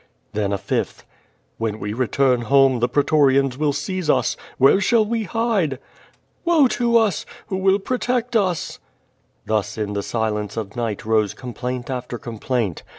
^' Then a fifth: "Wlien we return home the prctorians will seize us. Where shall we hide?" *'Woe to us! Who ^nll protect us?*' Thus in the silence of night rose complaint qfter complaint.